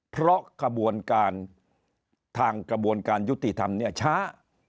เพราะกระบวนการทางกระบวนการยุติธรรมเนี่ยช้า